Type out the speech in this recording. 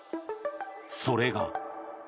それが。